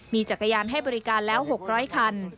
มีจักรยานให้บริการแล้ว๖๐๐คัน